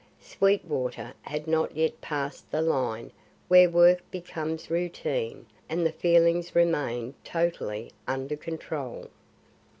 Sweetwater had not yet passed the line where work becomes routine and the feelings remain totally under control.